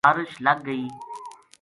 بارش لگ گئی